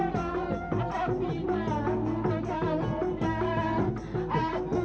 dikitar kitar orang kampung